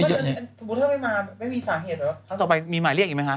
สมมุติถ้าไม่มาไม่มีสาเหตุเหรอครั้งต่อไปมีหมายเรียกอีกไหมคะ